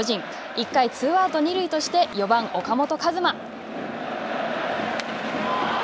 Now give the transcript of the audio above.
１回、ツーアウト、二塁として４番岡本和真。